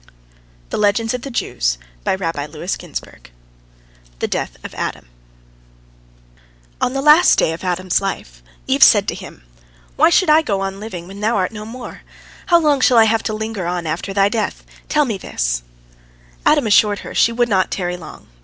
" THE DEATH OF ADAM On the last day of Adam's life, Eve said to him, "Why should I go on living, when thou art no more? How long shall I have to linger on after thy death? Tell me this!" Adam assured her she would not tarry long.